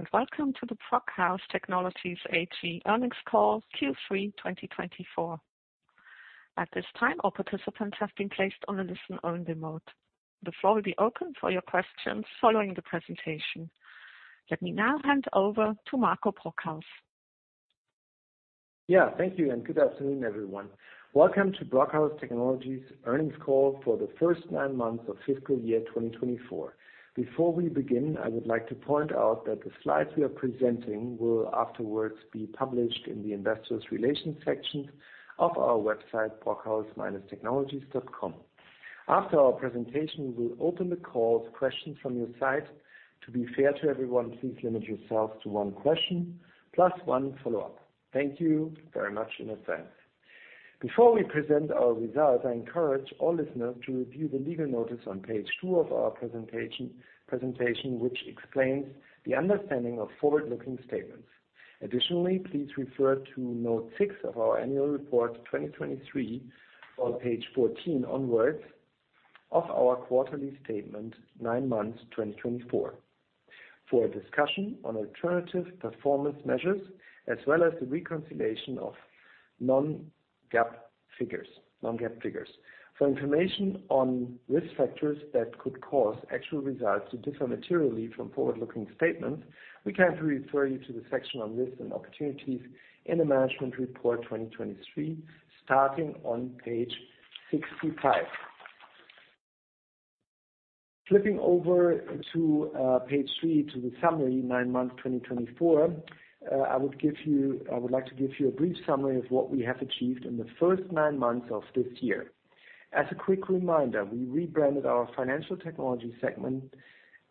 Hello, and welcome to the Brockhaus Technologies AG earnings call Q3 2024. At this time, all participants have been placed on a listen-only mode. The floor will be open for your questions following the presentation. Let me now hand over to Marco Brockhaus. Yeah, thank you, and good afternoon, everyone. Welcome to Brockhaus Technologies' earnings call for the first nine months of fiscal year 2024. Before we begin, I would like to point out that the slides we are presenting will afterwards be published in the investors' relations section of our website, brockhaus-technologies.com. After our presentation, we will open the call to questions from your side. To be fair to everyone, please limit yourselves to one question plus one follow-up. Thank you very much in advance. Before we present our results, I encourage all listeners to review the legal notice on page two of our presentation, which explains the understanding of forward-looking statements. Additionally, please refer to note six of our annual report 2023, on page 14 onward, of our quarterly statement, nine months 2024, for a discussion on alternative performance measures, as well as the reconciliation of non-GAAP figures. For information on risk factors that could cause actual results to differ materially from forward-looking statements, we kindly refer you to the section on risks and opportunities in the management report 2023, starting on page 65. Flipping over to page three to the summary, nine months 2024, I would like to give you a brief summary of what we have achieved in the first nine months of this year. As a quick reminder, we rebranded our financial technology segment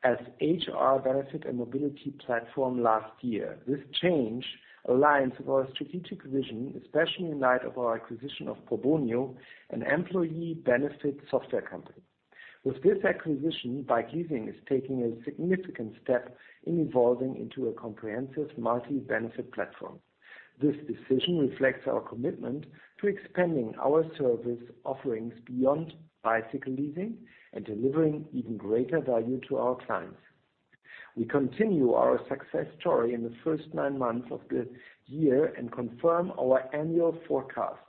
as HR benefit and mobility platform last year. This change aligns with our strategic vision, especially in light of our acquisition of Probonio, an employee benefit software company. With this acquisition, bike leasing is taking a significant step in evolving into a comprehensive multi-benefit platform. This decision reflects our commitment to expanding our service offerings beyond bicycle leasing and delivering even greater value to our clients. We continue our success story in the first nine months of the year and confirm our annual forecast.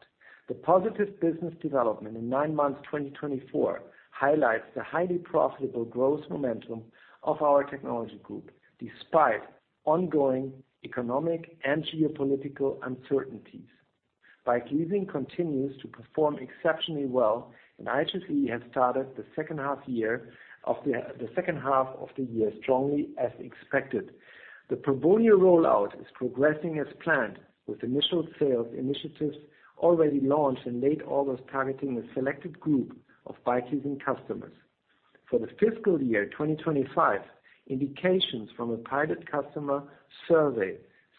The positive business development in nine months 2024 highlights the highly profitable growth momentum of our technology group despite ongoing economic and geopolitical uncertainties. Bikeleasing continues to perform exceptionally well, and IHSE has started the second half of the year strongly as expected. The Probonio rollout is progressing as planned, with initial sales initiatives already launched in late August targeting a selected group of bike leasing customers. For the fiscal year 2025, indications from a private customer survey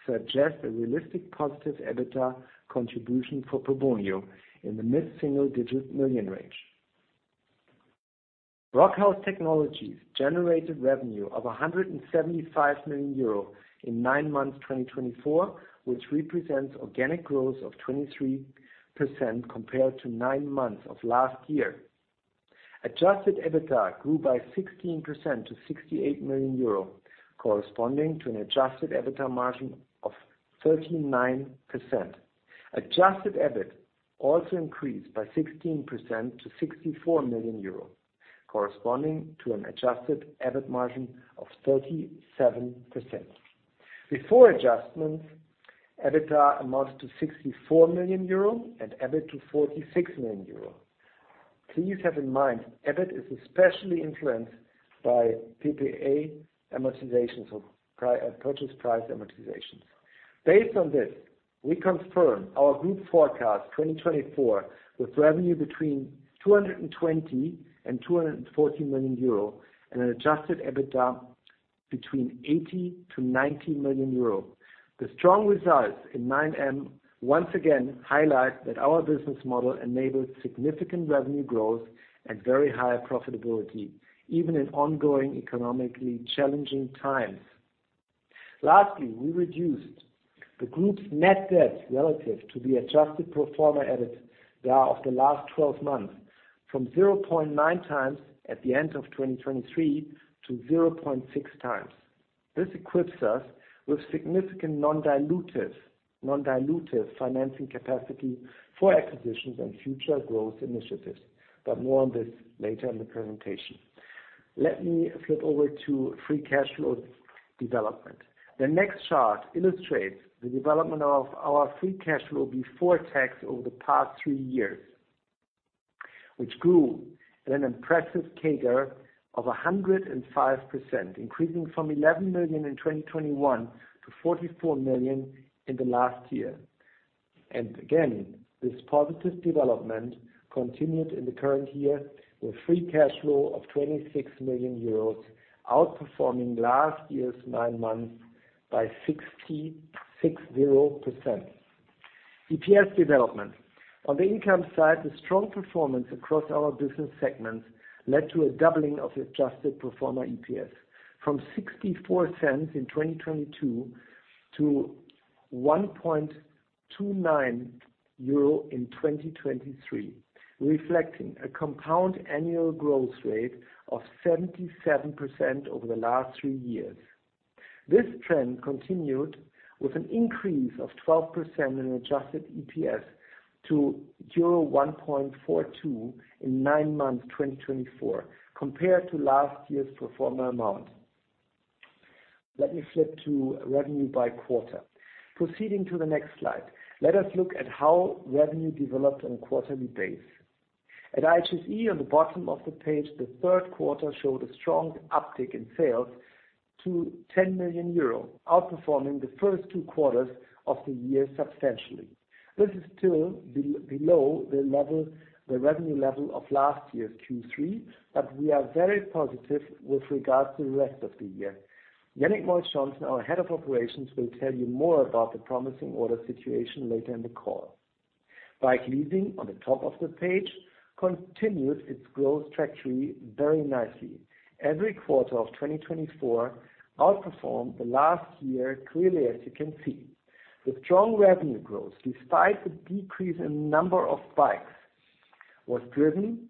suggest a realistic positive EBITDA contribution for Probonio in the mid-single-digit million range. Brockhaus Technologies generated revenue of 175 million euro in nine months 2024, which represents organic growth of 23% compared to nine months of last year. Adjusted EBITDA grew by 16% to 68 million euro, corresponding to an adjusted EBITDA margin of 39%. Adjusted EBIT also increased by 16% to 64 million euros, corresponding to an adjusted EBIT margin of 37%. Before adjustments, EBITDA amounted to 64 million euro and EBIT to 46 million euro. Please have in mind, EBIT is especially influenced by PPA amortizations or purchase price amortizations. Based on this, we confirm our group forecast 2024 with revenue between 220 and 240 million euro and an adjusted EBITDA between 80 to 90 million euro. The strong results in nine M once again highlight that our business model enables significant revenue growth and very high profitability, even in ongoing economically challenging times. Lastly, we reduced the group's net debt relative to the adjusted pro forma EBITDA of the last 12 months from 0.9 times at the end of 2023 to 0.6 times. This equips us with significant non-dilutive financing capacity for acquisitions and future growth initiatives, but more on this later in the presentation. Let me flip over to free cash flow development. The next chart illustrates the development of our free cash flow before tax over the past three years, which grew at an impressive CAGR of 105%, increasing from 11 million in 2021 to 44 million in the last year. And again, this positive development continued in the current year with free cash flow of 26 million euros, outperforming last year's nine months by 66%. EPS development. On the income side, the strong performance across our business segments led to a doubling of the adjusted pro forma EPS from 0.64 in 2022 to 1.29 euro in 2023, reflecting a compound annual growth rate of 77% over the last three years. This trend continued with an increase of 12% in adjusted EPS to euro 1.42 in nine months 2024, compared to last year's pro forma amount. Let me flip to revenue by quarter. Proceeding to the next slide, let us look at how revenue developed on a quarterly basis. At IHSE, on the bottom of the page, the third quarter showed a strong uptick in sales to 10 million euro, outperforming the first two quarters of the year substantially. This is still below the revenue level of last year's Q3, but we are very positive with regards to the rest of the year. Yannick Mölsch-Hansen, our head of operations, will tell you more about the promising order situation later in the call. Bike leasing, on the top of the page, continued its growth trajectory very nicely. Every quarter of 2024 outperformed the last year clearly, as you can see. The strong revenue growth, despite the decrease in the number of bikes, was driven,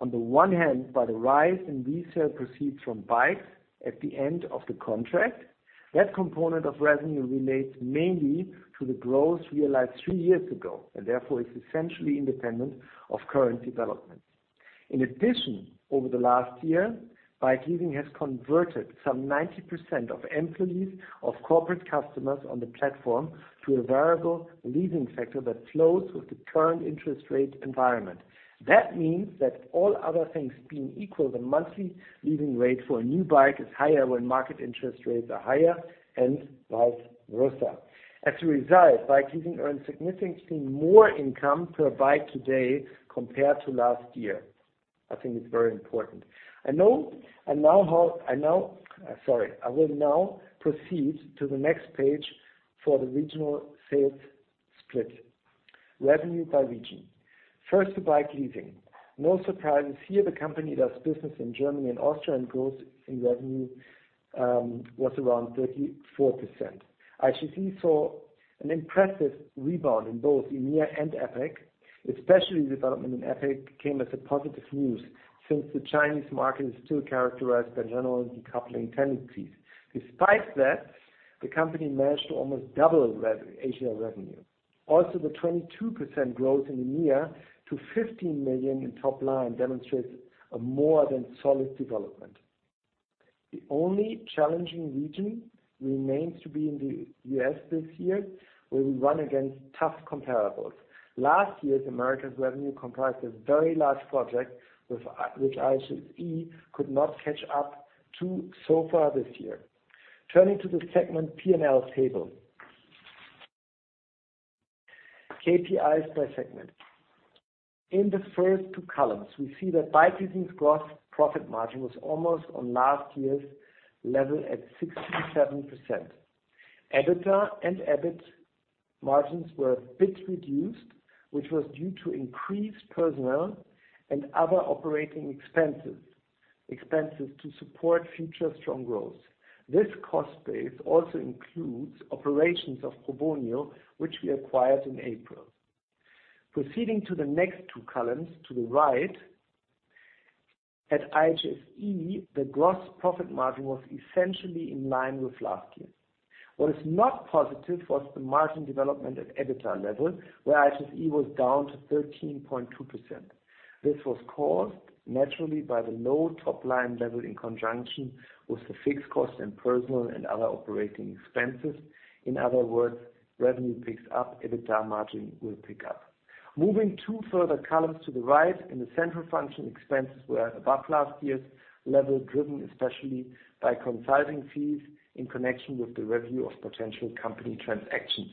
on the one hand, by the rise in resale proceeds from bikes at the end of the contract. That component of revenue relates mainly to the growth realized three years ago and therefore is essentially independent of current developments. In addition, over the last year, bike leasing has converted some 90% of employees of corporate customers on the platform to a variable leasing sector that flows with the current interest rate environment. That means that all other things being equal, the monthly leasing rate for a new bike is higher when market interest rates are higher and vice versa. As a result, bike leasing earns significantly more income per bike today compared to last year. I think it's very important. I will now proceed to the next page for the regional sales split. Revenue by region. First, to bike leasing. No surprises here. The company does business in Germany and Austria and growth in revenue was around 34%. IHSE saw an impressive rebound in both EMEA and APAC. Especially, the development in APAC came as positive news since the Chinese market is still characterized by general decoupling tendencies. Despite that, the company managed to almost double Asia revenue. Also, the 22% growth in EMEA to 15 million in top line demonstrates a more than solid development. The only challenging region remains to be in the US this year, where we run against tough comparables. Last year's Americas revenue comprised a very large project, which IHSE could not catch up to so far this year. Turning to the segment P&L table, KPIs by segment. In the first two columns, we see that bike leasing's gross profit margin was almost on last year's level at 67%. EBITDA and EBIT margins were a bit reduced, which was due to increased personnel and other operating expenses to support future strong growth. This cost base also includes operations of Probonio, which we acquired in April. Proceeding to the next two columns to the right, at IHSE, the gross profit margin was essentially in line with last year. What is not positive was the margin development at EBITDA level, where IHSE was down to 13.2%. This was caused, naturally, by the low top line level in conjunction with the fixed cost and personnel and other operating expenses. In other words, revenue picks up. EBITDA margin will pick up. Moving two further columns to the right, in the central function, expenses were above last year's level, driven especially by consulting fees in connection with the review of potential company transactions.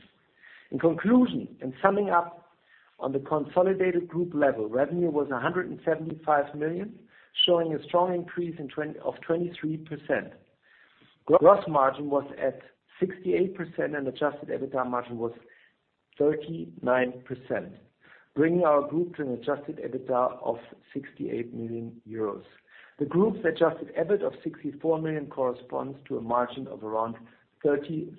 In conclusion, and summing up on the consolidated group level, revenue was 175 million, showing a strong increase of 23%. Gross margin was at 68%, and adjusted EBITDA margin was 39%, bringing our group to an adjusted EBITDA of 68 million euros. The group's adjusted EBIT of 64 million corresponds to a margin of around 37%.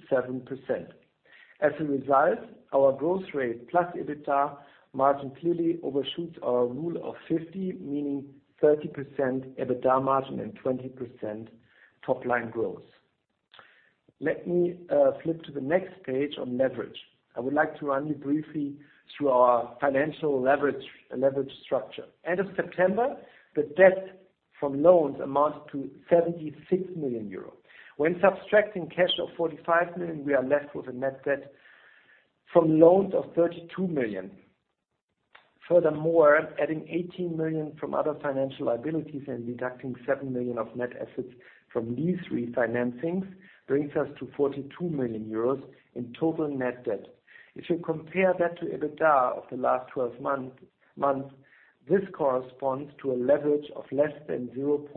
As a result, our growth rate plus EBITDA margin clearly overshoots our rule of 50, meaning 30% EBITDA margin and 20% top line growth. Let me flip to the next page on leverage. I would like to run you briefly through our financial leverage structure. End of September, the debt from loans amounted to 76 million euros. When subtracting cash of 45 million, we are left with a net debt from loans of 32 million. Furthermore, adding 18 million from other financial liabilities and deducting 7 million of net assets from lease refinancings brings us to 42 million euros in total net debt. If you compare that to EBITDA of the last 12 months, this corresponds to a leverage of less than 0.6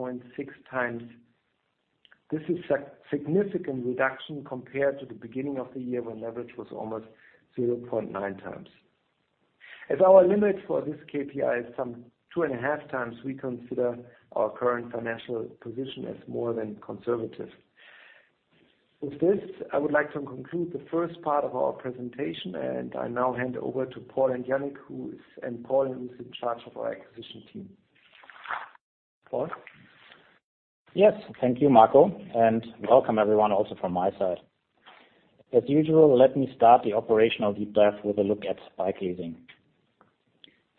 times. This is a significant reduction compared to the beginning of the year when leverage was almost 0.9 times. As our limit for this KPI is some two and a half times, we consider our current financial position as more than conservative. With this, I would like to conclude the first part of our presentation, and I now hand over to Paul and Yannick, and Paul, who's in charge of our acquisition team. Paul? Yes, thank you, Marco, and welcome everyone also from my side. As usual, let me start the operational deep dive with a look at bike leasing.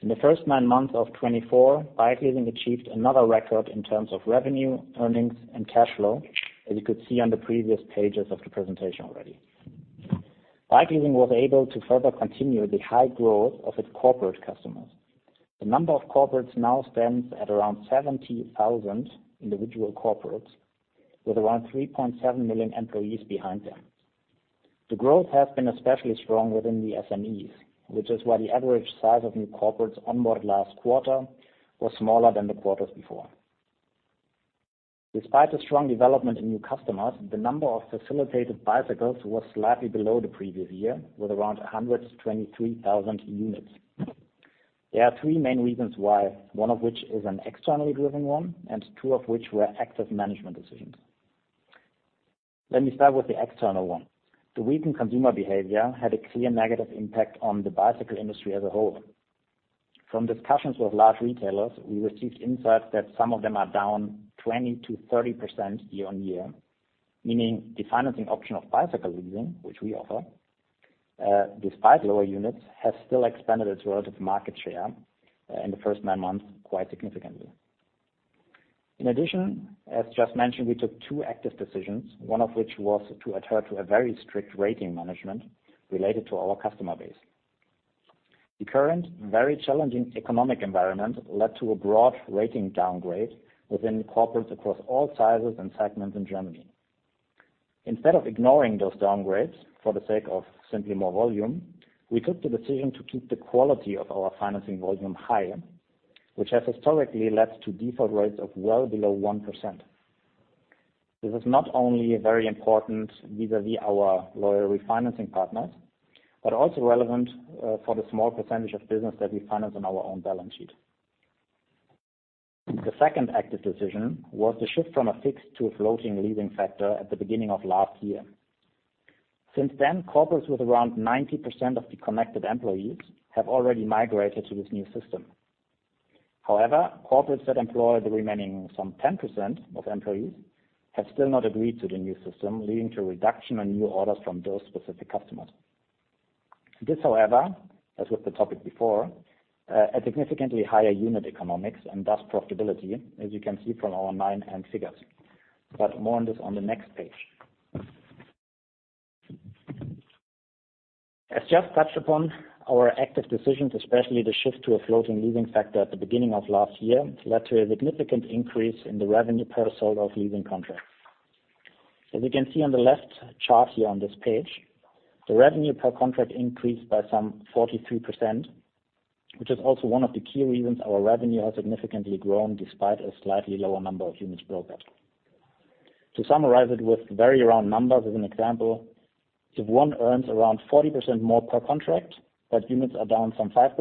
In the first nine months of 2024, Bike leasing achieved another record in terms of revenue, earnings, and cash flow, as you could see on the previous pages of the presentation already. Bike leasing was able to further continue the high growth of its corporate customers. The number of corporates now stands at around 70,000 individual corporates with around 3.7 million employees behind them. The growth has been especially strong within the SMEs, which is why the average size of new corporates onboarded last quarter was smaller than the quarters before. Despite the strong development in new customers, the number of facilitated bicycles was slightly below the previous year, with around 123,000 units. There are three main reasons why, one of which is an externally driven one and two of which were active management decisions. Let me start with the external one. The weakened consumer behavior had a clear negative impact on the bicycle industry as a whole. From discussions with large retailers, we received insights that some of them are down 20%-30% year on year, meaning the financing option of bicycle leasing, which we offer, despite lower units, has still expanded its relative market share in the first nine months quite significantly. In addition, as just mentioned, we took two active decisions, one of which was to adhere to a very strict rating management related to our customer base. The current very challenging economic environment led to a broad rating downgrade within corporates across all sizes and segments in Germany. Instead of ignoring those downgrades for the sake of simply more volume, we took the decision to keep the quality of our financing volume high, which has historically led to default rates of well below 1%. This is not only very important vis-à-vis our loyal refinancing partners, but also relevant for the small percentage of business that we finance on our own balance sheet. The second active decision was the shift from a fixed to a floating leasing factor at the beginning of last year. Since then, corporates with around 90% of the connected employees have already migrated to this new system. However, corporates that employ the remaining some 10% of employees have still not agreed to the new system, leading to a reduction in new orders from those specific customers. This, however, as with the topic before, has significantly higher unit economics and thus profitability, as you can see from our nine M figures. But more on this on the next page. As just touched upon, our active decisions, especially the shift to a floating leasing factor at the beginning of last year, led to a significant increase in the revenue per sold-off leasing contracts. As you can see on the left chart here on this page, the revenue per contract increased by some 43%, which is also one of the key reasons our revenue has significantly grown despite a slightly lower number of units booked. To summarize it with very round numbers as an example, if one earns around 40% more per contract, but units are down some 5%,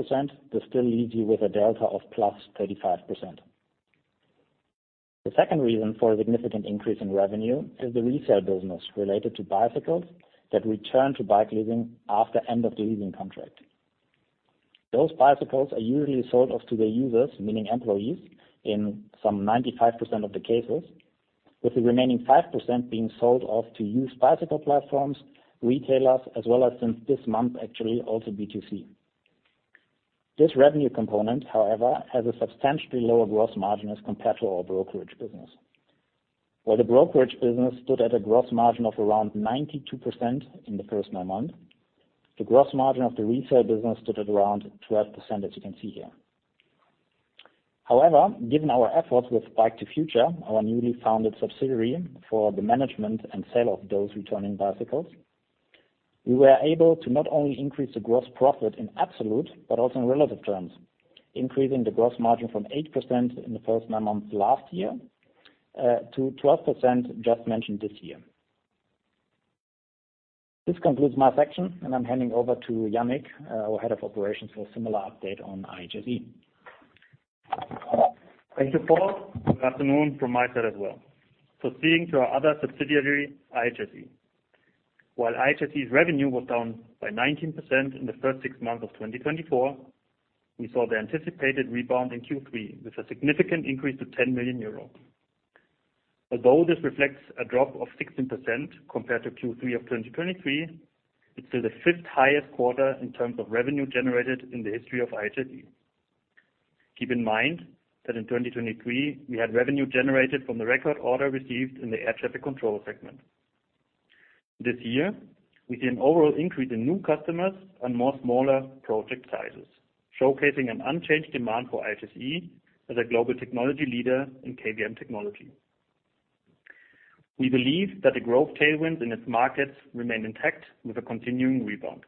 this still leaves you with a delta of plus 35%. The second reason for a significant increase in revenue is the resale business related to bicycles that return to Bike leasing after the end of the leasing contract. Those bicycles are usually sold off to their users, meaning employees, in some 95% of the cases, with the remaining 5% being sold off to used bicycle platforms, retailers, as well as since this month, actually, also B2C. This revenue component, however, has a substantially lower gross margin as compared to our brokerage business. While the brokerage business stood at a gross margin of around 92% in the first nine months, the gross margin of the resale business stood at around 12%, as you can see here. However, given our efforts with Bike2Future, our newly founded subsidiary for the management and sale of those returning bicycles, we were able to not only increase the gross profit in absolute but also in relative terms, increasing the gross margin from 8% in the first nine months last year to 12% just mentioned this year. This concludes my section, and I'm handing over to Yannick, our head of operations, for a similar update on IHSE. Thank you, Paul. Good afternoon from my side as well. Proceeding to our other subsidiary, IHSE. While IHSE's revenue was down by 19% in the first six months of 2024, we saw the anticipated rebound in Q3 with a significant increase to 10 million euro. Although this reflects a drop of 16% compared to Q3 of 2023, it's still the fifth highest quarter in terms of revenue generated in the history of IHSE. Keep in mind that in 2023, we had revenue generated from the record order received in the air traffic control segment. This year, we see an overall increase in new customers and more smaller project sizes, showcasing an unchanged demand for IHSE as a global technology leader in KVM technology. We believe that the growth tailwinds in its markets remain intact with a continuing rebound.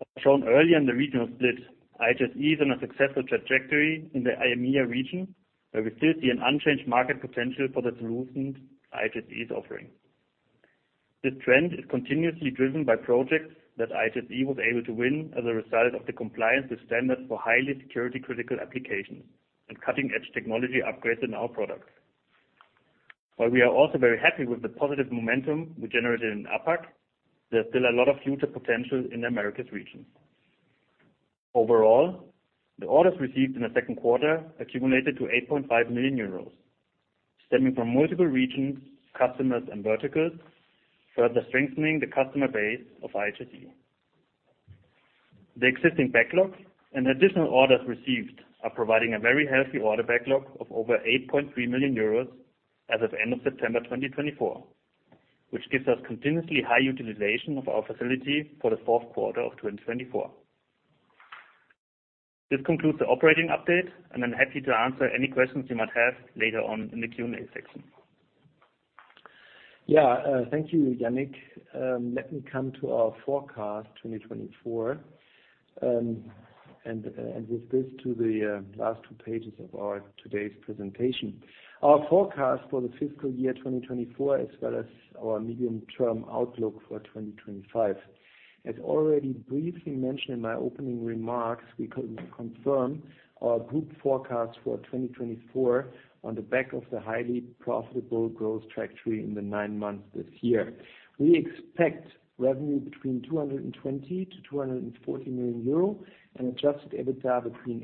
As shown earlier in the regional split, IHSE is on a successful trajectory in the EMEA region, where we still see an unchanged market potential for the solutions IHSE is offering. This trend is continuously driven by projects that IHSE was able to win as a result of the compliance with standards for highly security-critical applications and cutting-edge technology upgrades in our products. While we are also very happy with the positive momentum we generated in APAC, there's still a lot of future potential in Americas region. Overall, the orders received in the second quarter accumulated to 8.5 million euros, stemming from multiple regions, customers, and verticals, further strengthening the customer base of IHSE. The existing backlog and additional orders received are providing a very healthy order backlog of over 8.3 million euros as of end of September 2024, which gives us continuously high utilization of our facility for the fourth quarter of 2024. This concludes the operating update, and I'm happy to answer any questions you might have later on in the Q&A section. Yeah, thank you, Yannick. Let me come to our forecast 2024 and move this to the last two pages of our today's presentation. Our forecast for the fiscal year 2024, as well as our medium-term outlook for 2025. As already briefly mentioned in my opening remarks, we confirm our group forecast for 2024 on the back of the highly profitable growth trajectory in the nine months this year. We expect revenue between 220-240 million euro and adjusted EBITDA between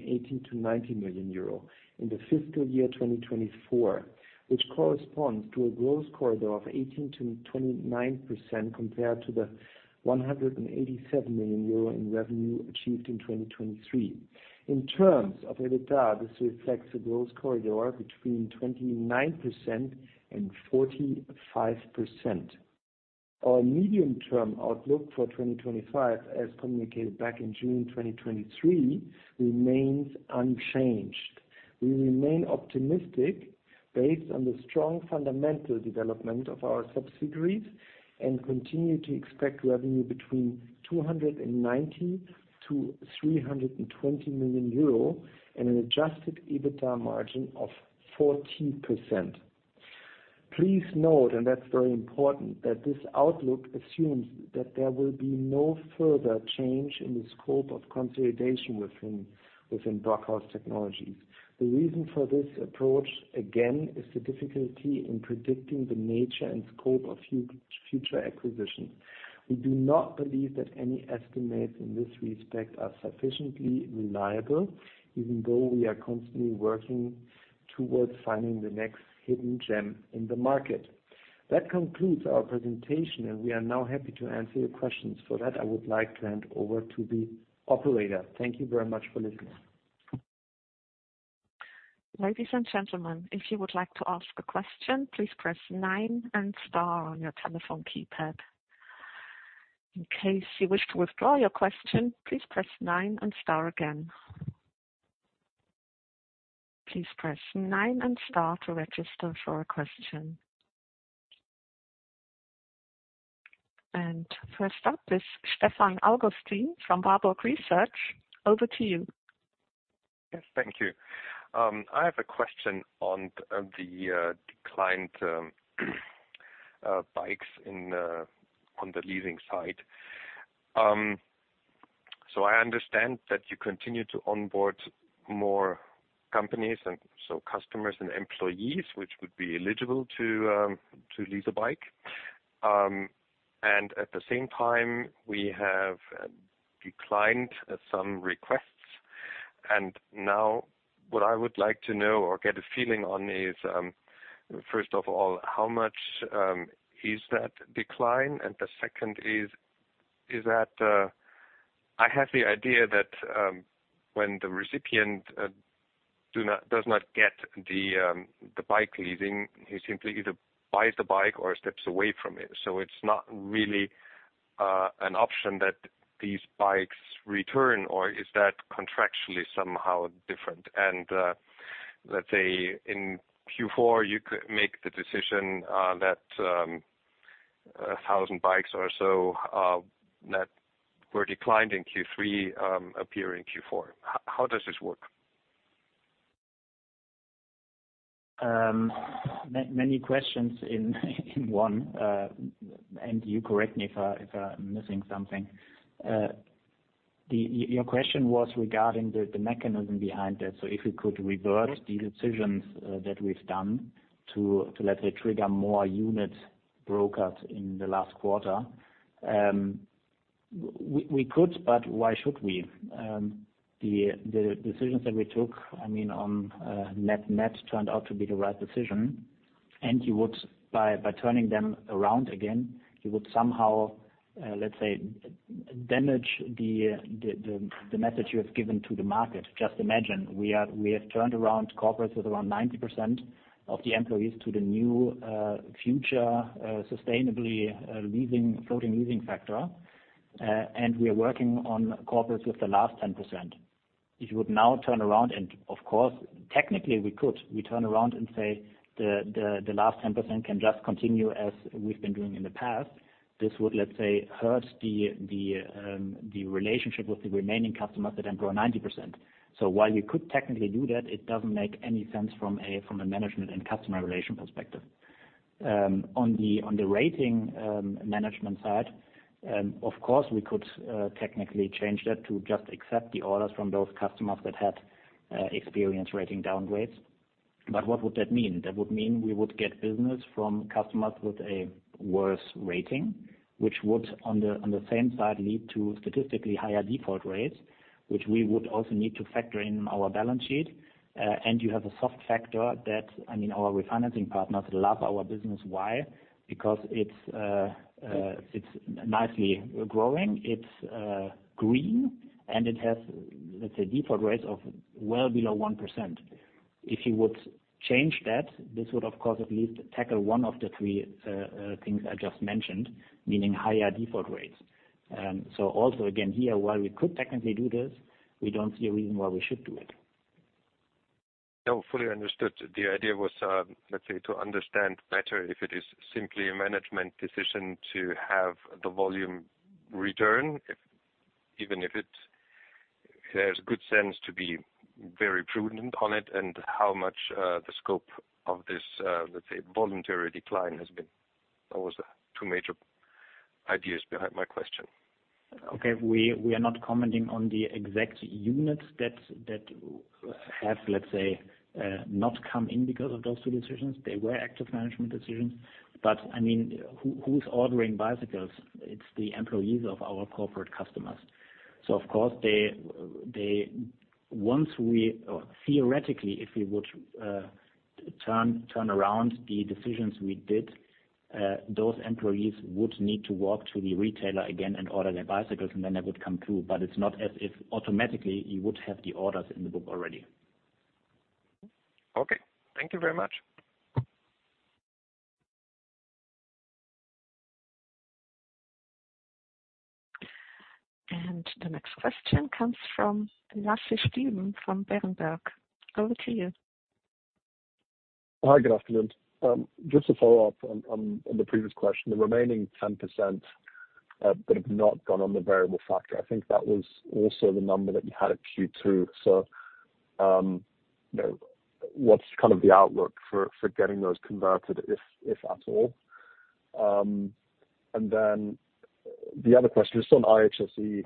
80-90 million euro in the fiscal year 2024, which corresponds to a growth corridor of 18% to 29% compared to the 187 million euro in revenue achieved in 2023. In terms of EBITDA, this reflects a growth corridor between 29% and 45%. Our medium-term outlook for 2025, as communicated back in June 2023, remains unchanged. We remain optimistic based on the strong fundamental development of our subsidiaries and continue to expect revenue between 290-320 million euro and an adjusted EBITDA margin of 40%. Please note, and that's very important, that this outlook assumes that there will be no further change in the scope of consolidation within Brockhaus Technologies. The reason for this approach, again, is the difficulty in predicting the nature and scope of future acquisitions. We do not believe that any estimates in this respect are sufficiently reliable, even though we are constantly working towards finding the next hidden gem in the market. That concludes our presentation, and we are now happy to answer your questions. For that, I would like to hand over to the operator. Thank you very much for listening. Ladies and gentlemen, if you would like to ask a question, please press 9 and star on your telephone keypad. In case you wish to withdraw your question, please press 9 and star again. Please press 9 and star to register for a question. And first up is Stefan Augustin from Warburg Research. Over to you. Yes, thank you. I have a question on the declined bikes on the leasing side. I understand that you continue to onboard more companies, and so customers and employees, which would be eligible to lease a bike. And at the same time, we have declined some requests. And now what I would like to know or get a feeling on is, first of all, how much is that decline? And the second is, I have the idea that when the recipient does not get the bike leasing, he simply either buys the bike or steps away from it. So it's not really an option that these bikes return, or is that contractually somehow different? And let's say in Q4, you could make the decision that 1,000 bikes or so that were declined in Q3 appear in Q4. How does this work? Many questions in one, and you correct me if I'm missing something. Your question was regarding the mechanism behind this. So if we could revert the decisions that we've done to, let's say, trigger more units brokered in the last quarter, we could, but why should we? The decisions that we took, I mean, on net-net turned out to be the right decision. And by turning them around again, you would somehow, let's say, damage the message you have given to the market. Just imagine we have turned around corporates with around 90% of the employees to the new future sustainably floating leasing factor, and we are working on corporates with the last 10%. If you would now turn around, and of course, technically, we could, we turn around and say the last 10% can just continue as we've been doing in the past, this would, let's say, hurt the relationship with the remaining customers that employ 90%. So while you could technically do that, it doesn't make any sense from a management and customer relation perspective. On the rating management side, of course, we could technically change that to just accept the orders from those customers that had experienced rating downgrades. But what would that mean? That would mean we would get business from customers with a worse rating, which would, on the downside, lead to statistically higher default rates, which we would also need to factor in our balance sheet. And you have a soft factor that, I mean, our refinancing partners love our business. Why? Because it's nicely growing, it's green, and it has, let's say, default rates of well below 1%. If you would change that, this would, of course, at least tackle one of the three things I just mentioned, meaning higher default rates. So also, again, here, while we could technically do this, we don't see a reason why we should do it. No, fully understood. The idea was, let's say, to understand better if it is simply a management decision to have the volume return, even if it has good sense to be very prudent on it and how much the scope of this, let's say, voluntary decline has been. Those are two major ideas behind my question. Okay. We are not commenting on the exact units that have, let's say, not come in because of those two decisions. They were active management decisions. But I mean, who's ordering bicycles? It's the employees of our corporate customers. So of course, once we, or theoretically, if we would turn around the decisions we did, those employees would need to walk to the retailer again and order their bicycles, and then they would come through. But it's not as if automatically you would have the orders in the book already. Okay. Thank you very much. And the next question comes from Lasse Stüben from Berenberg. Over to you. Hi, good afternoon. Just to follow up on the previous question, the remaining 10% would have not gone on the variable factor. I think that was also the number that you had at Q2. So what's kind of the outlook for getting those converted, if at all? And then the other question, just on IHSE,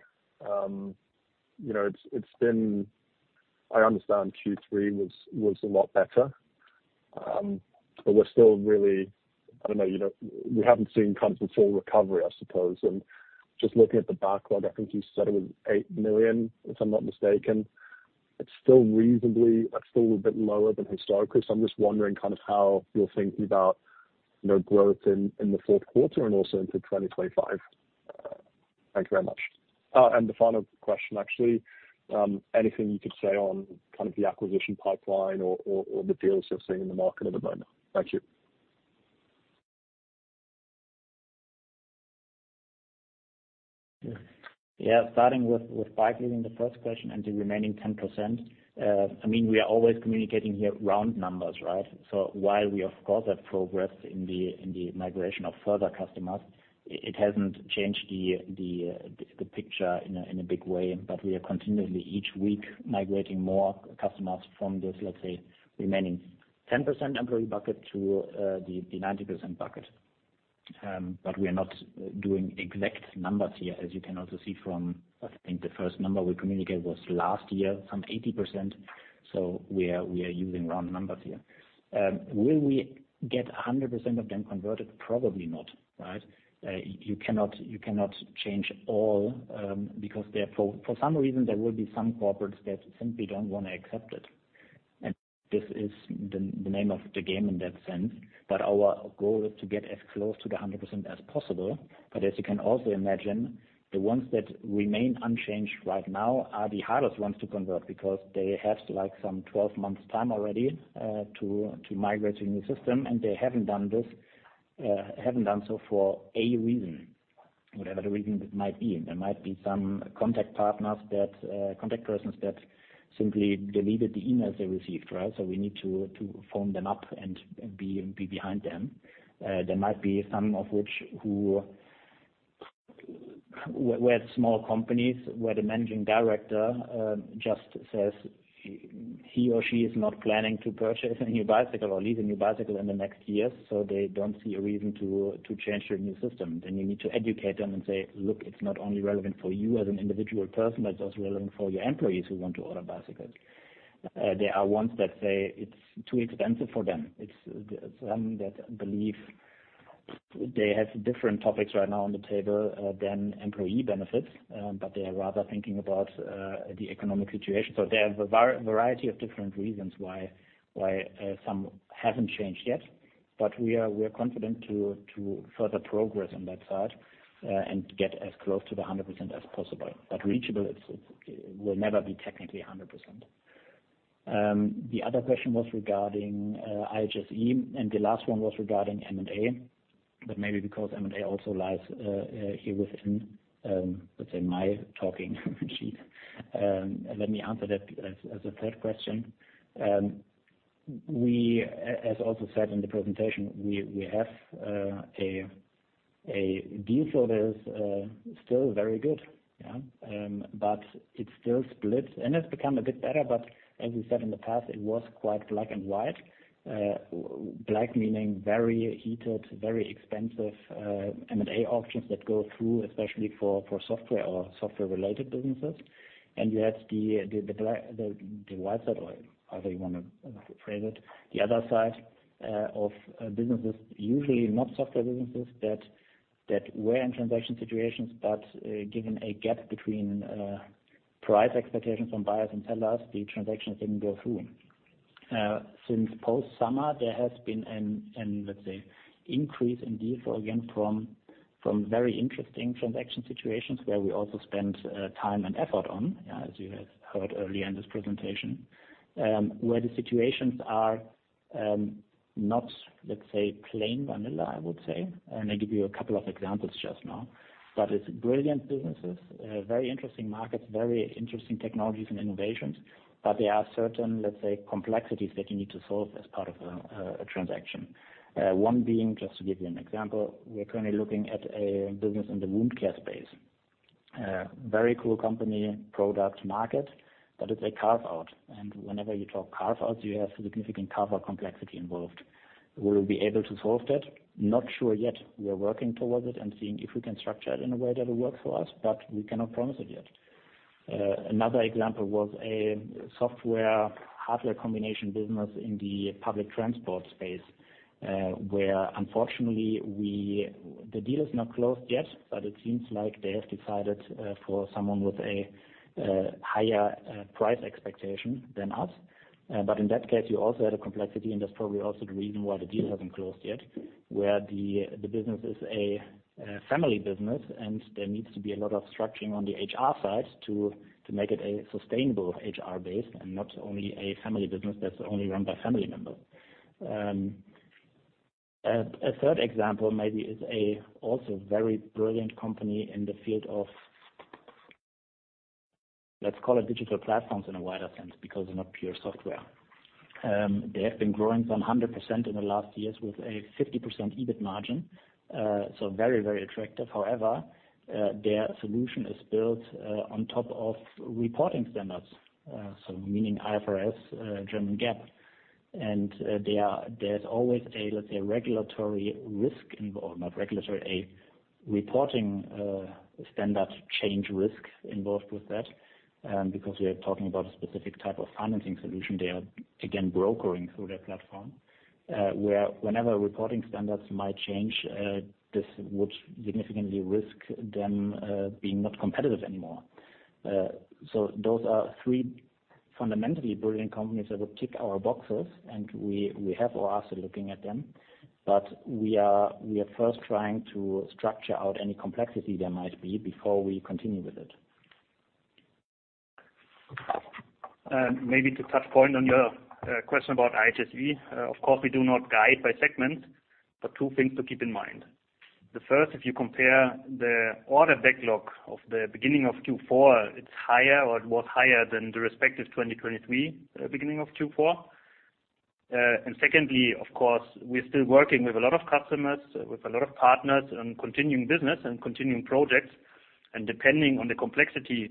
it's been, I understand Q3 was a lot better, but we're still really, I don't know, we haven't seen kind of a full recovery, I suppose. Just looking at the backlog, I think you said it was 8 million, if I'm not mistaken. It's still reasonably, that's still a bit lower than historically. So I'm just wondering kind of how you're thinking about growth in the fourth quarter and also into 2025. Thank you very much. The final question, actually, anything you could say on kind of the acquisition pipeline or the deals you're seeing in the market at the moment? Thank you. Yeah, starting with Bike Leasing, the first question and the remaining 10%, I mean, we are always communicating here round numbers, right? So while we, of course, have progressed in the migration of further customers, it hasn't changed the picture in a big way. But we are continuously, each week, migrating more customers from this, let's say, remaining 10% employee bucket to the 90% bucket. But we are not doing exact numbers here, as you can also see from, I think, the first number we communicated was last year, some 80%. So we are using round numbers here. Will we get 100% of them converted? Probably not, right? You cannot change all because for some reason, there will be some corporates that simply don't want to accept it. And this is the name of the game in that sense. But our goal is to get as close to the 100% as possible. But as you can also imagine, the ones that remain unchanged right now are the hardest ones to convert because they have some 12 months' time already to migrate to a new system, and they haven't done so for a reason, whatever the reason might be. There might be some contact persons that simply deleted the emails they received, right? So we need to phone them up and be behind them. There might be some of which were small companies where the managing director just says he or she is not planning to purchase a new bicycle or lease a new bicycle in the next years, so they don't see a reason to change to a new system. Then you need to educate them and say, "Look, it's not only relevant for you as an individual person, but it's also relevant for your employees who want to order bicycles." There are ones that say it's too expensive for them. It's some that believe they have different topics right now on the table than employee benefits, but they are rather thinking about the economic situation. There are a variety of different reasons why some haven't changed yet, but we are confident to further progress on that side and get as close to the 100% as possible. But reachable, it will never be technically 100%. The other question was regarding IHSE, and the last one was regarding M&A, but maybe because M&A also lies here within, let's say, my talking sheet. Let me answer that as a third question. As also said in the presentation, we have a deal flow that is still very good, yeah, but it's still split, and it's become a bit better. But as we said in the past, it was quite black and white. Black meaning very heated, very expensive M&A auctions that go through, especially for software or software-related businesses. You had the buy side, or however you want to phrase it, the other side of businesses, usually not software businesses, that were in transaction situations, but given a gap between price expectations from buyers and sellers, the transactions didn't go through. Since post-summer, there has been an, let's say, increase in deal flow again from very interesting transaction situations where we also spent time and effort on, as you have heard earlier in this presentation, where the situations are not, let's say, plain vanilla, I would say. I give you a couple of examples just now, but it's brilliant businesses, very interesting markets, very interesting technologies and innovations, but there are certain, let's say, complexities that you need to solve as part of a transaction. One being, just to give you an example, we're currently looking at a business in the wound care space. Very cool company, product market, but it's a carve-out, and whenever you talk carve-outs, you have significant carve-out complexity involved. Will we be able to solve that? Not sure yet. We are working towards it and seeing if we can structure it in a way that will work for us, but we cannot promise it yet. Another example was a software-hardware combination business in the public transport space, where unfortunately, the deal is not closed yet, but it seems like they have decided for someone with a higher price expectation than us. But in that case, you also had a complexity, and that's probably also the reason why the deal hasn't closed yet, where the business is a family business, and there needs to be a lot of structuring on the HR side to make it a sustainable HR base and not only a family business that's only run by family members. A third example maybe is a also very brilliant company in the field of, let's call it, digital platforms in a wider sense because they're not pure software. They have been growing some 100% in the last years with a 50% EBIT margin, so very, very attractive. However, their solution is built on top of reporting standards, so meaning IFRS, German GAAP. There's always a, let's say, regulatory risk involved, not regulatory, a reporting standard change risk involved with that because we are talking about a specific type of financing solution. They are, again, brokering through their platform, where whenever reporting standards might change, this would significantly risk them being not competitive anymore. So those are three fundamentally brilliant companies that would tick our boxes, and we have our analyst looking at them. But we are first trying to structure out any complexity there might be before we continue with it. Maybe to touch on your question about IHSE, of course, we do not guide by segments, but two things to keep in mind. The first, if you compare the order backlog of the beginning of Q4, it's higher or it was higher than the respective 2023 beginning of Q4. And secondly, of course, we are still working with a lot of customers, with a lot of partners and continuing business and continuing projects. And depending on the complexity,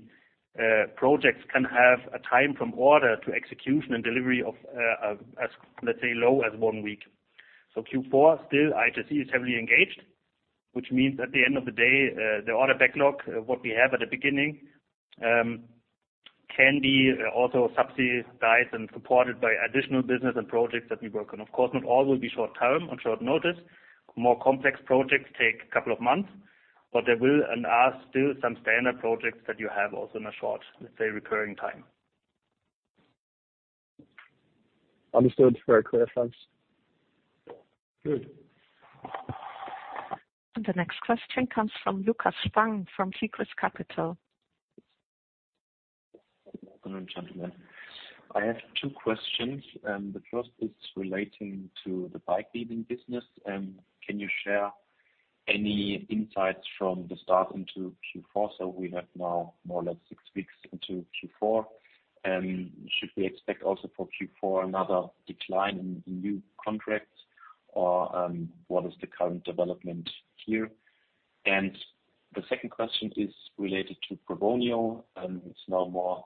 projects can have a time from order to execution and delivery of, let's say, low as one week. So Q4, still, IHSE is heavily engaged, which means at the end of the day, the order backlog, what we have at the beginning, can be also subsidized and supported by additional business and projects that we work on. Of course, not all will be short-term on short notice. More complex projects take a couple of months, but there will and are still some standard projects that you have also in a short, let's say, recurring time. Understood. Very clear, thanks. Good. The next question comes from Lukas Spang from Tigris Capital. Good afternoon, gentlemen. I have two questions. The first is relating to the Bike Leasing business. Can you share any insights from the start into Q4? So we have now more or less six weeks into Q4. Should we expect also for Q4 another decline in new contracts, or what is the current development here? And the second question is related to Probonio. It's now more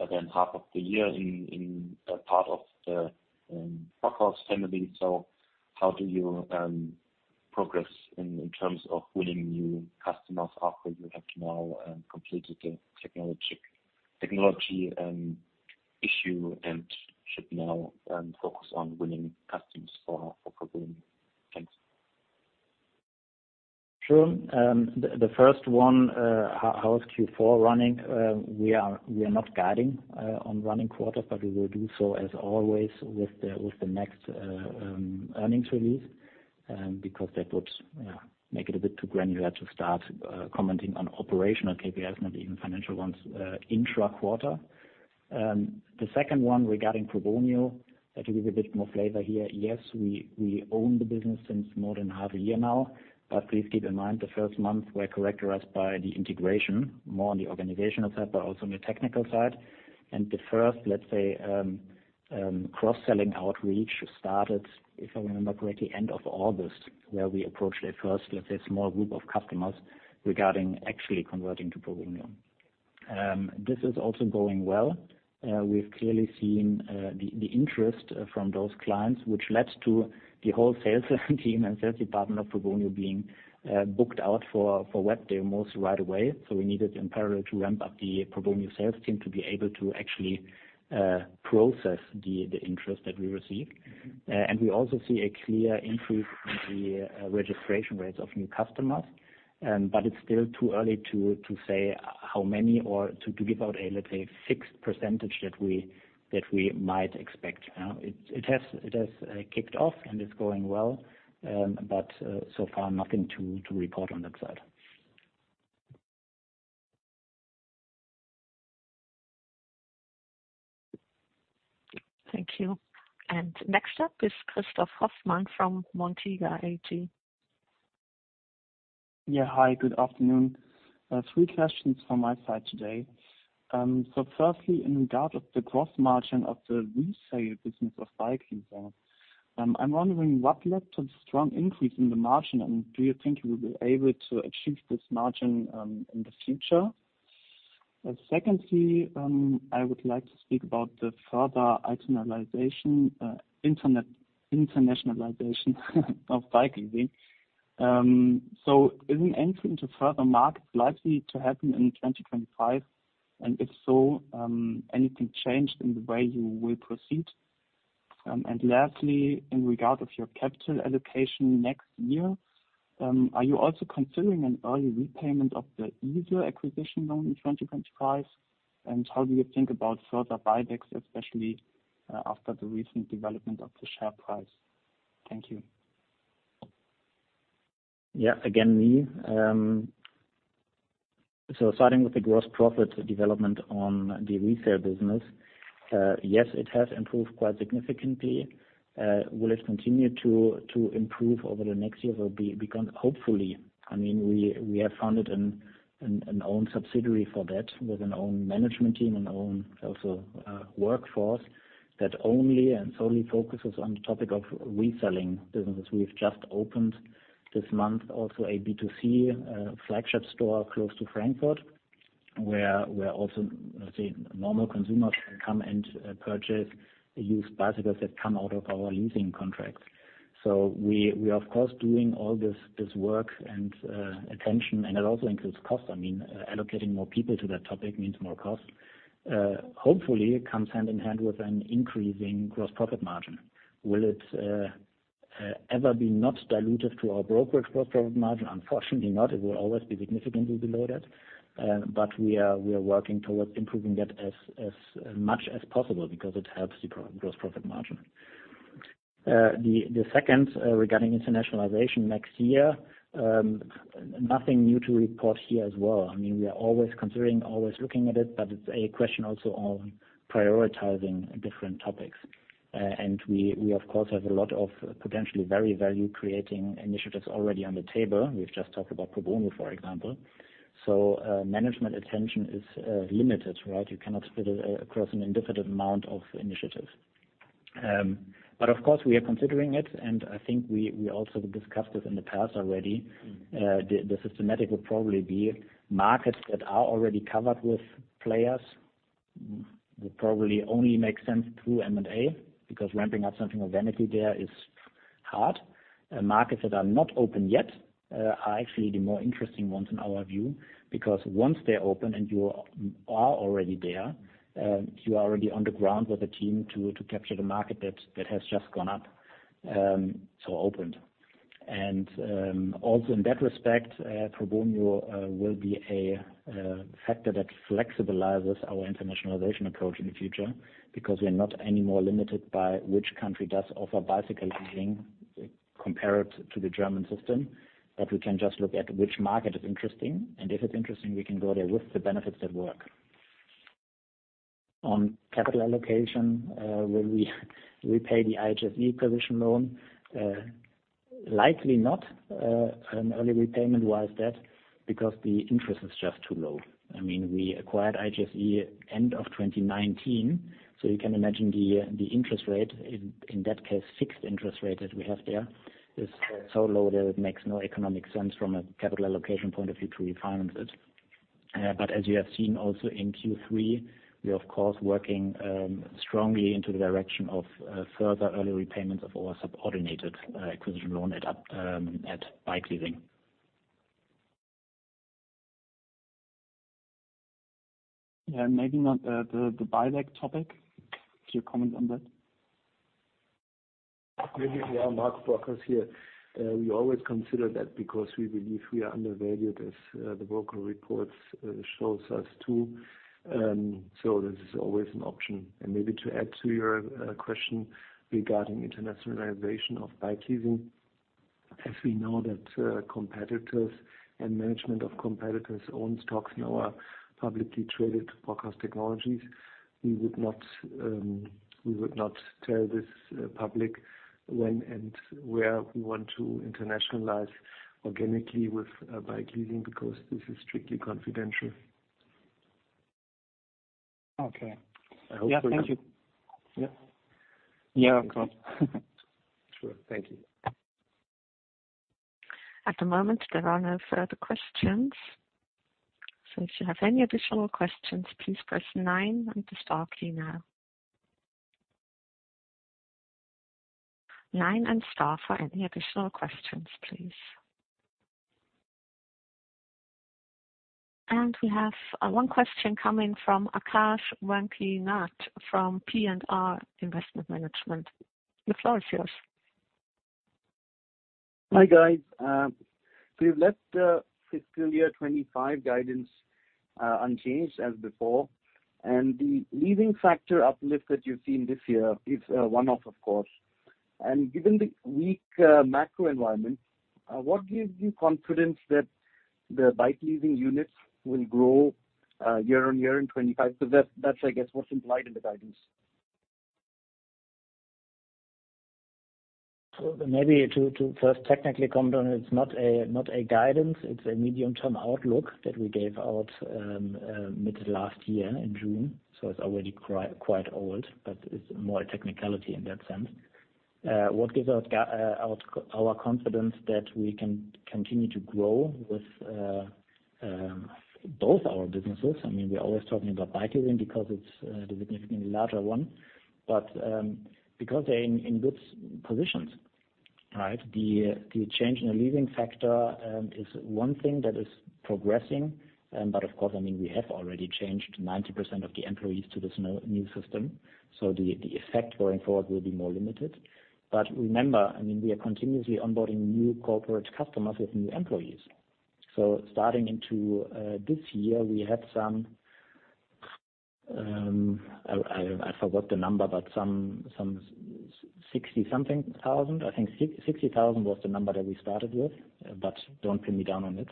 than half of the year in part of the Brockhaus family. So how do you progress in terms of winning new customers after you have now completed the technology issue and should now focus on winning customers for Probonio? Thanks. Sure. The first one, how is Q4 running? We are not guiding on running quarters, but we will do so as always with the next earnings release because that would make it a bit too granular to start commenting on operational KPIs, not even financial ones, intra-quarter. The second one regarding Probonio, to give you a bit more flavor here, yes, we own the business since more than half a year now, but please keep in mind the first months were characterized by the integration, more on the organizational side, but also on the technical side, and the first, let's say, cross-selling outreach started, if I remember correctly, end of August, where we approached a first, let's say, small group of customers regarding actually converting to Probonio. This is also going well. We've clearly seen the interest from those clients, which led to the whole sales team and sales department of Probonio being booked out for web demos right away, so we needed, in parallel, to ramp up the Probonio sales team to be able to actually process the interest that we received. We also see a clear increase in the registration rates of new customers, but it's still too early to say how many or to give out a, let's say, fixed percentage that we might expect. It has kicked off, and it's going well, but so far, nothing to report on that side. Thank you. Next up is Christoph Hoffmann from Montega AG. Yeah, hi, good afternoon. Three questions from my side today. So firstly, in regard of the gross margin of the resale business of Bikeleasing, I'm wondering what led to the strong increase in the margin, and do you think you will be able to achieve this margin in the future? Secondly, I would like to speak about the further internationalization of Bikeleasing. So is an entry into further markets likely to happen in 2025? And if so, anything changed in the way you will proceed? And lastly, in regard of your capital allocation next year, are you also considering an early repayment of the IHSE acquisition loan in 2025? And how do you think about further buybacks, especially after the recent development of the share price? Thank you. Yeah, again, me. So starting with the gross profit development on the resale business, yes, it has improved quite significantly. Will it continue to improve over the next year? So hopefully, I mean, we have founded an own subsidiary for that with an own management team and own also workforce that only and solely focuses on the topic of reselling businesses. We've just opened this month also a B2C flagship store close to Frankfurt, where also, let's say, normal consumers can come and purchase used bicycles that come out of our leasing contracts. So we are, of course, doing all this work and attention, and it also includes cost. I mean, allocating more people to that topic means more cost. Hopefully, it comes hand in hand with an increasing gross profit margin. Will it ever be not dilutive to our brokerage gross profit margin? Unfortunately, not. It will always be significantly below that, but we are working towards improving that as much as possible because it helps the gross profit margin. The second regarding internationalization next year, nothing new to report here as well. I mean, we are always considering, always looking at it, but it's a question also on prioritizing different topics. And we, of course, have a lot of potentially very value-creating initiatives already on the table. We've just talked about Probonio, for example. So management attention is limited, right? You cannot split it across an indefinite amount of initiatives. But of course, we are considering it, and I think we also discussed this in the past already. The systematic would probably be markets that are already covered with players would probably only make sense through M&A because ramping up something organically there is hard. Markets that are not open yet are actually the more interesting ones in our view because once they're open and you are already there, you are already on the ground with a team to capture the market that has just gone up, so opened. And also in that respect, Probonio will be a factor that flexibilizes our internationalization approach in the future because we are not anymore limited by which country does offer bicycle leasing compared to the German system, but we can just look at which market is interesting. And if it's interesting, we can go there with the benefits that work. On capital allocation, will we repay the IHSE acquisition loan? Likely not. An early repayment was that because the interest is just too low. I mean, we acquired IHSE end of 2019, so you can imagine the interest rate, in that case, fixed interest rate that we have there is so low that it makes no economic sense from a capital allocation point of view to refinance it. But as you have seen also in Q3, we are, of course, working strongly into the direction of further early repayments of our subordinated acquisition loan at Bikeleasing. Yeah, and maybe not the buyback topic. Do you have comments on that? Maybe if you are Marco Brockhaus here, we always consider that because we believe we are undervalued, as the broker reports show us too. So this is always an option. Maybe to add to your question regarding internationalization of Bike Leasing, as we know that competitors and management of competitors own stocks in our publicly traded Brockhaus Technologies, we would not tell this public when and where we want to internationalize organically with Bike Leasing because this is strictly confidential. Okay. I hope we're good. Yeah, thank you. Yeah. Yeah, of course. Sure. Thank you. At the moment, there are no further questions. If you have any additional questions, please press 9 and to start email. 9 and star for any additional questions, please. We have one question coming from Aakash Vanchi Nath from P&R Investment Management. The floor is yours. Hi guys. We've left the fiscal year 2025 guidance unchanged as before, and the leasing factor uplift that you've seen this year is one-off, of course. Given the weak macro environment, what gives you confidence that the Bike Leasing units will grow year on year in 2025? Because that's, I guess, what's implied in the guidance. So maybe to first technically comment on it, it's not a guidance. It's a medium-term outlook that we gave out mid last year in June. So it's already quite old, but it's more technicality in that sense. What gives our confidence that we can continue to grow with both our businesses? I mean, we're always talking about Bike Leasing because it's the significantly larger one, but because they're in good positions, right? The change in the leasing factor is one thing that is progressing, but of course, I mean, we have already changed 90% of the employees to this new system. So the effect going forward will be more limited. But remember, I mean, we are continuously onboarding new corporate customers with new employees. So starting into this year, we had some, I forgot the number, but some 60-something thousand. I think 60,000 was the number that we started with, but don't pin me down on it.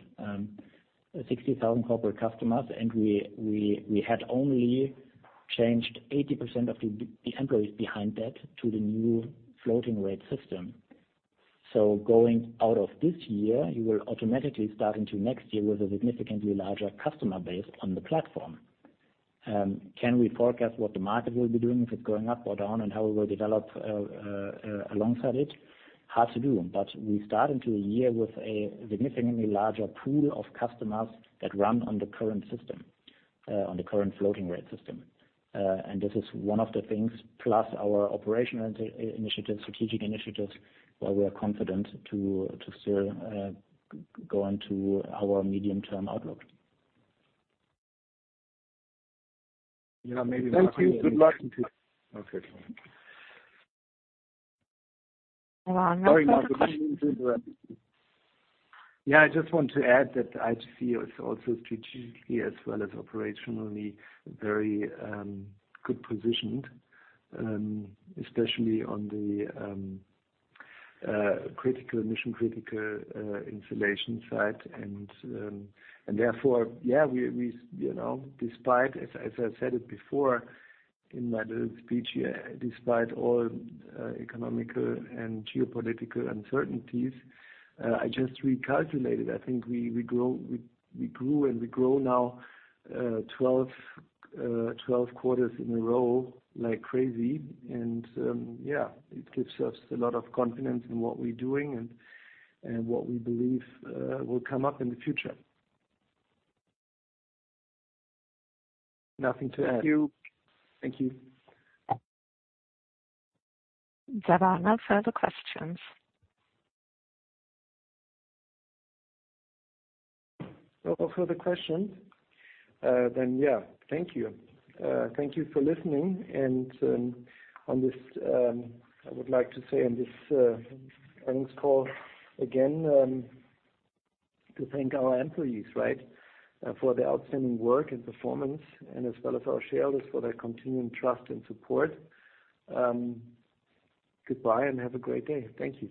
60,000 corporate customers, and we had only changed 80% of the employees behind that to the new floating rate system. So going out of this year, you will automatically start into next year with a significantly larger customer base on the platform. Can we forecast what the market will be doing, if it's going up or down, and how it will develop alongside it? Hard to do, but we start into a year with a significantly larger pool of customers that run on the current system, on the current floating rate system. This is one of the things, plus our operational initiatives, strategic initiatives, where we are confident to still go into our medium-term outlook. Yeah, maybe that's it. Thank you. Good luck. Okay. Sorry, Markus. Yeah, I just want to add that IHSE is also strategically, as well as operationally, very good positioned, especially on the critical, mission-critical installation side. Therefore, yeah, despite, as I said it before in my little speech here, despite all economic and geopolitical uncertainties, I just recalculated. I think we grew and we grow now 12 quarters in a row like crazy. Yeah, it gives us a lot of confidence in what we're doing and what we believe will come up in the future. Nothing to add. Thank you. Thank you. There are no further questions. No further questions. Yeah, thank you. Thank you for listening. And I would like to say on this earnings call again to thank our employees, right, for their outstanding work and performance, and as well as our shareholders for their continuing trust and support. Goodbye and have a great day. Thank you.